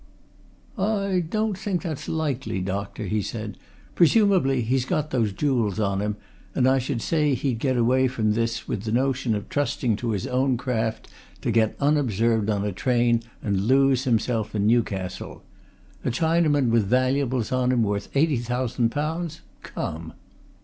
"I don't think that's likely, doctor," he said. "Presumably, he's got those jewels on him, and I should say he'd get away from this with the notion of trusting to his own craft to get unobserved on a train and lose himself in Newcastle. A Chinaman with valuables on him worth eighty thousand pounds? Come!"